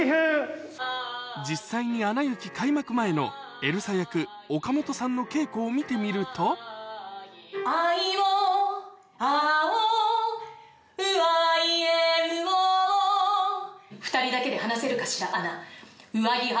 実際に『アナ雪』開幕前のエルサ役岡本さんの稽古を見てみると分かります？せの。